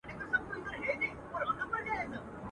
چي خاوند به له بازاره راغی کورته.